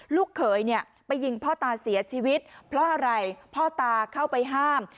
ลูกเขยเนี่ยไปยิงพ่อตาเสียชีวิตเพราะอะไรพ่อตาเข้าไปห้าม